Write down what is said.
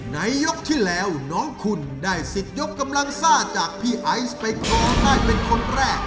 ในยกที่แล้วน้องคุณได้สิทธิ์ยกกำลังซ่าจากพี่ไอซ์ไปครองได้เป็นคนแรก